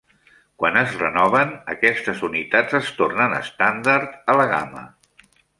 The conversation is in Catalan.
Quan es renoven, aquestes unitats es tornen estàndard a la gama.